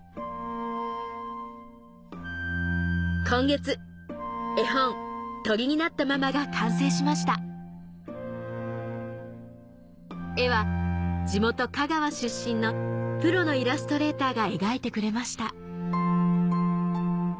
今月絵本『鳥になったママ』が完成しました絵は地元香川出身のプロのイラストレーターが描いてくれました